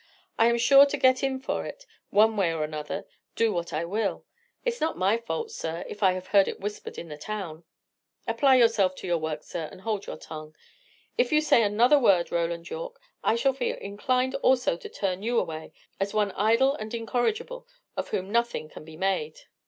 "I am sure to get in for it, one way or another, do what I will. It's not my fault, sir, if I have heard it whispered in the town." "Apply yourself to your work, sir, and hold your tongue. If you say another word, Roland Yorke, I shall feel inclined also to turn you away, as one idle and incorrigible, of whom nothing can be made."